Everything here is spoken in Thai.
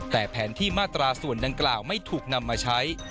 แต่แผนที่มาตราส่วนดังกล่าวไม่ถูกนำมาใช้